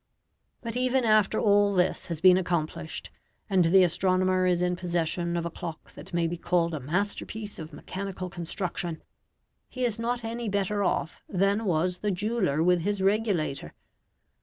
But even after all this has been accomplished, and the astronomer is in possession of a clock that may be called a masterpiece of mechanical construction, he is not any better off than was the jeweller with his regulator.